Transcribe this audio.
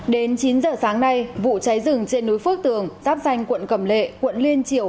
đến chín giờ sáng nay vụ cháy rừng trên núi phước tường giáp danh quận cầm lệ quận liên triều